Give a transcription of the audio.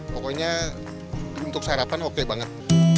pokoknya untuk sarapan oke banget